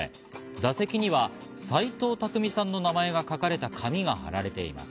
座席には斎藤工さんの名前が書かれた紙が貼られています。